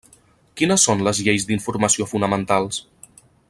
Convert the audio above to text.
Quines són les lleis d'informació fonamentals?